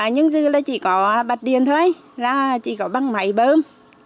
nhưng dư là chỉ có bật điền thôi chỉ có băng máy bơm